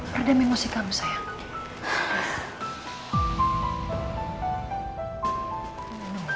perdam emosi kamu sayang